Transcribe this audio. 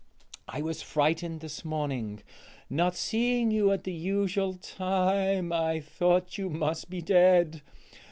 I was frightened this morning, not seeing you at the usual time; I thought you must be dead.